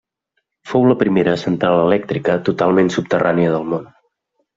Fou la primera central elèctrica totalment subterrània del món.